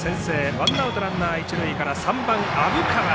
ワンアウトランナー、一塁から３番、虻川。